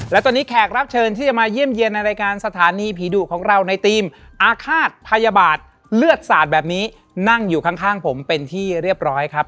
และตอนนี้แขกรับเชิญที่จะมาเยี่ยมเยี่ยมในรายการสถานีผีดุของเราในทีมอาฆาตพยาบาทเลือดสาดแบบนี้นั่งอยู่ข้างผมเป็นที่เรียบร้อยครับ